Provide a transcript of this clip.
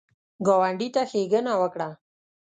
ګاونډي ته ښېګڼه وکړه